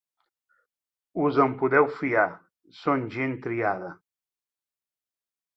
Us en podeu fiar: són gent triada.